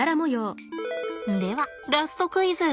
ではラストクイズ。